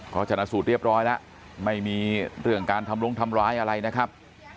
ก็ชนะสูตรเรียบร้อยแล้วไม่มีเรื่องการทำลงทำร้ายอะไรนะครับ